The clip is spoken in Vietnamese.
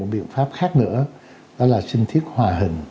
biện pháp khác nữa đó là sinh thiết hòa hình